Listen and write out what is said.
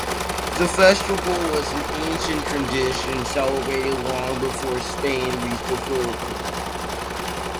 The festival was an ancient tradition celebrated long before Spain reached the Philippines.